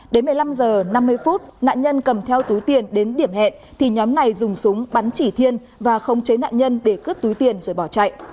đến một mươi năm h năm mươi nạn nhân cầm theo túi tiền đến điểm hẹn thì nhóm này dùng súng bắn chỉ thiên và không chế nạn nhân để cướp túi tiền rồi bỏ chạy